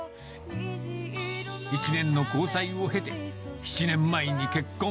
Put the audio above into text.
１年の交際を経て、７年前に結婚。